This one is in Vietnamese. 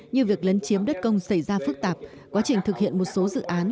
như việc lấn chiếm đất công xảy ra phức tạp quá trình thực hiện một số dự án